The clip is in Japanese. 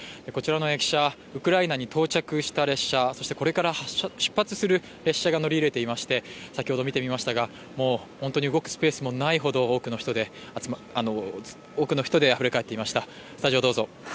こちらの駅舎、ウクライナに到着した列車、そしてこれから出発する列車が乗り入れていまして先ほど見てみましたが、動くスペースもないほど多くの人であふれかえっていました。